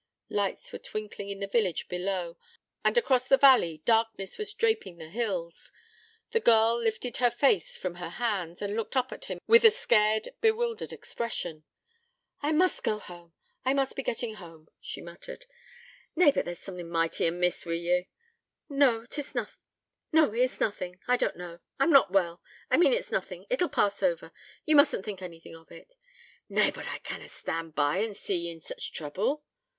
Lights were twinkling in the village below; and across the valley darkness was draping the hills. The girl lifted her face from her hands, and looked up at him with a scared, bewildered expression. 'I must go home: I must be getting home,' she muttered. 'Nay, but there's sommut mighty amiss wi' ye.' 'No, it's nothing... I don't know I'm not well... I mean it's nothing... it'll pass over... you mustn't think anything of it.' 'Nay, but I canna stand by an see ye in sich trouble.'